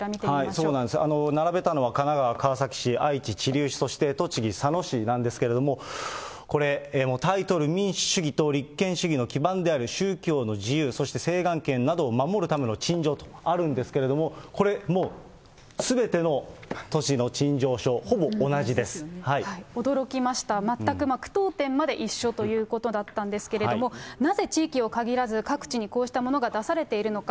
そうなんですよ、並べたのは神奈川・川崎市、愛知・知立市、栃木・佐野市なんですけれども、これ、タイトル、民主主義と立憲主義の基盤である宗教の自由、そして請願権などを守るための陳情とあるんですけれども、これ、すべての都市の陳情書、驚きました、全く句読点まで一緒ということだったんですけれども、なぜ、地域を限らず、各地にこうしたものが出されているのか。